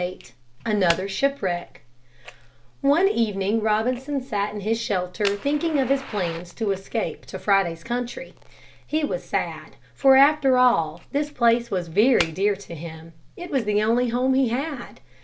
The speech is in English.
XXXVIII ANOTHER SHIPWRECK One evening Robinson sat in his shelter thinking of his plans to escape to Friday's country. He was sad. For, after all, this place was very dear to him. It was the only home he had.